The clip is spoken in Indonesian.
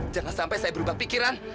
jangan sampai saya berubah pikiran